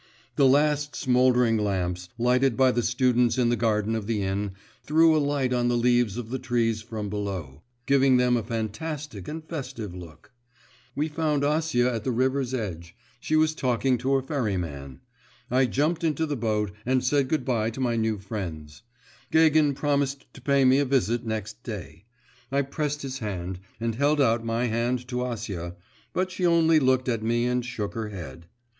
The last, smouldering lamps, lighted by the students in the garden of the inn, threw a light on the leaves of the trees from below, giving them a fantastic and festive look. We found Acia at the river's edge; she was talking to a ferryman. I jumped into the boat, and said good bye to my new friends. Gagin promised to pay me a visit next day; I pressed his hand, and held out my hand to Acia; but she only looked at me and shook her head.